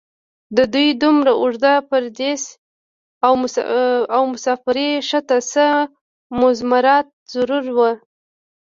د دوي دومره اوږد پرديس او مسافرۍ شا ته څۀ مضمرات ضرور وو